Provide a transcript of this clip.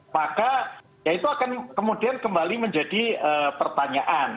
maka ya itu akan kemudian kembali menjadi pertanyaan